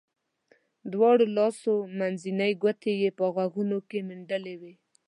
دواړو لاسو منځنۍ ګوتې یې په غوږونو کې منډلې وې.